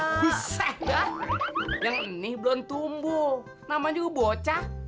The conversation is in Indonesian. huseh yang ini belum tumbuh namanya juga bocah